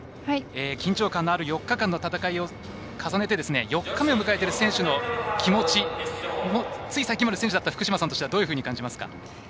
緊張感のある４日間の戦いを重ねて４日目を迎えている選手の気持ち、つい最近まで選手だった福島さんとしてはどう感じますか。